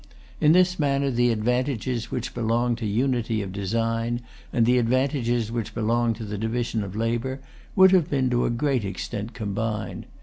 In this manner the advantages which belong to unity of design, and the advantages which belong to the division of labor, would have been to a great extent combined.